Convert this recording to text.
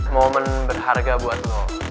moment berharga buat lo